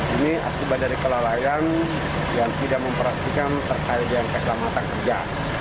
ini akibat dari kelalaian dan tidak memperhatikan terkait dengan keselamatan kerja